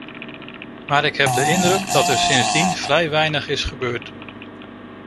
Maar ik heb de indruk, dat er sindsdien vrij weinig is gebeurd.